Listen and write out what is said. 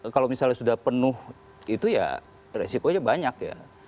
kalau misalnya sudah penuh itu ya resikonya banyak ya